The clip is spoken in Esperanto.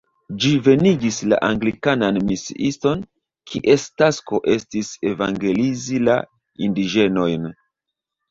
Ĝi venigis la anglikanan misiiston, kies tasko estis evangelizi la indiĝenojn.